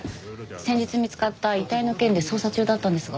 先日見つかった遺体の件で捜査中だったんですが。